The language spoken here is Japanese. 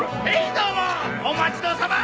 どうもお待ちどおさま